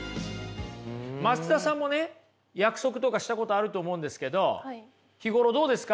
松田さんもね約束とかしたことあると思うんですけど日頃どうですか？